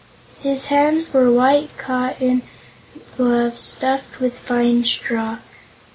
His hands were white cotton gloves stuffed with fine straw.